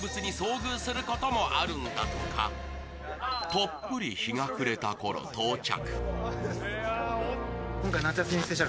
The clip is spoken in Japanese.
とっぷり日が暮れたころ、到着。